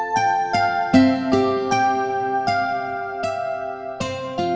kalau cur thankfully